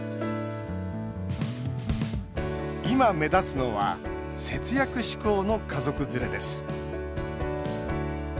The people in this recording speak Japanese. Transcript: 今、目立つのは節約志向の家族連れです。